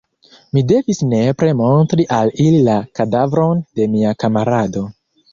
Mi devis nepre montri al ili la kadavron de mia kamarado.